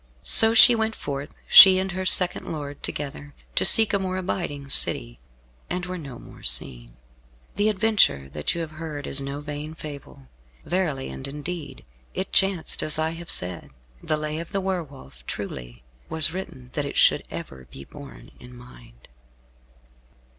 So she went forth, she and her second lord together, to seek a more abiding city, and were no more seen. The adventure that you have heard is no vain fable. Verily and indeed it chanced as I have said. The Lay of the Were Wolf, truly, was written that it should ever be borne in mind.